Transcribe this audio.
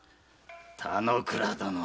田之倉殿。